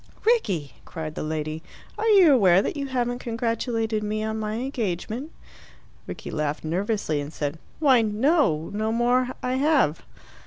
"Rickie," cried the lady, "are you aware that you haven't congratulated me on my engagement?" Rickie laughed nervously, and said, "Why no! No more I have."